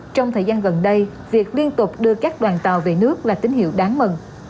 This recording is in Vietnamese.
trong thời gian gần đây việc liên tục đưa các đoàn tàu về nước là tín hiệu đáng mừng